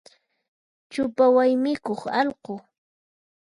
Chupa waymikuq allqu.